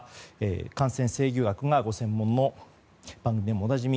感染制御学がご専門の番組でもおなじみ